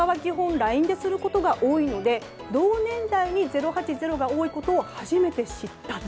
ＬＩＮＥですることが多いので、同年代に０８０が多いことを初めて知った。